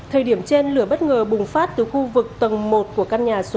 thời điểm trên lửa bất ngờ bùng phát từ khu vực tầng một của căn nhà số một